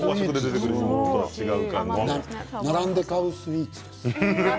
並んで買うスイーツですよ。